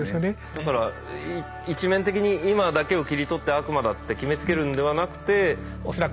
だから一面的に今だけを切り取って悪魔だって決めつけるんではなくて。